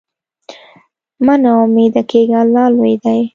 مه نا امیده کېږه، الله لوی دی.